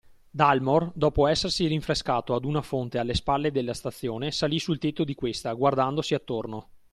Dalmor, dopo essersi rinfrescato ad una fonte alle spalle della stazione, salì sul tetto di questa, guardandosi attorno.